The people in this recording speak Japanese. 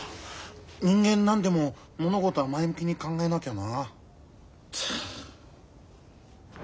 人間何でも物事は前向きに考えなきゃな。